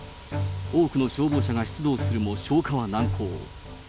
多くの消防車が出動するも、消火は難航。